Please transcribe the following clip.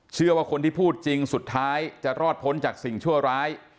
เชื่อว่าคนที่พูดจริงสุดท้ายจะรอดพ้นจากสิ่งชั่วร้าย